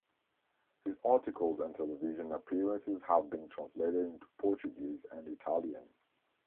His articles and television appearances have been translated into Portuguese and Italian.